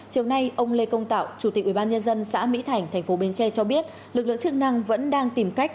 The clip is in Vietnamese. chiều nay ông lê công tạo chủ tịch ubnd xã mỹ thành tp bến tre cho biết lực lượng chức năng vẫn đang tìm cách